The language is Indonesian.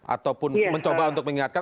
ataupun mencoba untuk mengingatkan